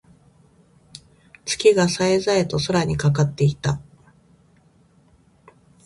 月が冴え冴えと空にかかっていた。